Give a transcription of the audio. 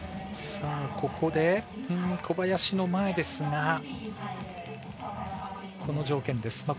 ここで、小林の前ですがこの条件です。